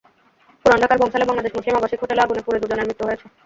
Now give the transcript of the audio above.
পুরান ঢাকার বংশালে বাংলাদেশ মুসলিম আবাসিক হোটেলে আগুনে পুড়ে দুজনের মৃত্যু হয়েছে।